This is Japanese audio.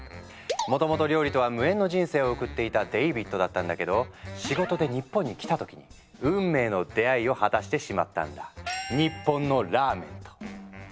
もともと料理とは無縁の人生を送っていたデイビッドだったんだけど仕事で日本に来た時に運命の出会いを果たしてしまったんだ日本のラーメンと。